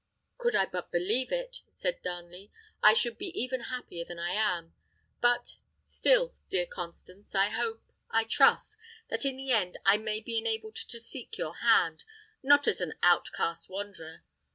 "Could I but believe it," said Darnley, "I should be even happier than I am. But still, dear Constance, I hope, I trust, that in the end I may be enabled to seek your hand, not as an outcast wanderer.